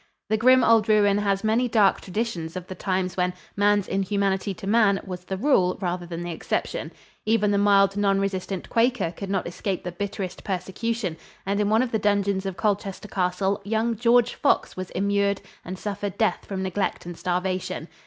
The grim old ruin has many dark traditions of the times when "man's inhumanity to man" was the rule rather than the exception. Even the mild, nonresistant Quaker could not escape the bitterest persecution and in one of the dungeons of Colchester Castle young George Fox was immured and suffered death from neglect and starvation.